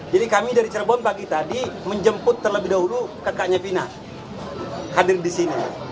jadi kami dari cirebon pagi tadi menjemput terlebih dahulu kakaknya vina hadir di sini